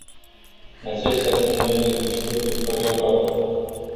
Acestea sunt noile discuții fără roade.